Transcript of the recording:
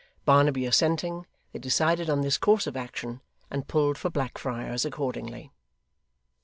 Barnaby assenting, they decided on this course of action, and pulled for Blackfriars accordingly.